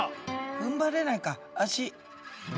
ふんばれないか足。